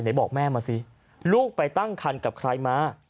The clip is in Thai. บอกแม่มาสิลูกไปตั้งคันกับใครมา